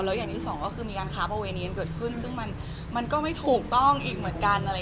แล้วอย่างที่สองก็คือมีการค้าประเวณีกันเกิดขึ้นซึ่งมันก็ไม่ถูกต้องอีกเหมือนกัน